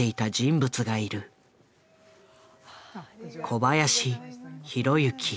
小林宏行。